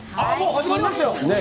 もう始まりますよ。